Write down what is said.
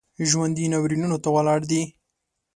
ژوندي ناورینونو ته ولاړ دي